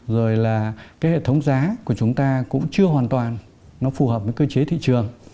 rồi là hệ thống giá của chúng ta cũng chưa hoàn toàn phù hợp với cơ chế thị trường